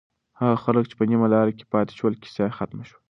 هغه خلک چې په نیمه لاره کې پاتې شول، کیسه یې ختمه شوه.